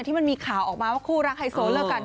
ที่มีข่าวออกมาว่าคู่รักไฮโซเลิกกัน